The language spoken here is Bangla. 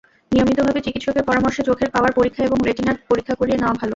নিয়মিতভাবে চিকিৎসকের পরামর্শে চোখের পাওয়ার পরীক্ষা এবং রেটিনার পরীক্ষা করিয়ে নেওয়া ভালো।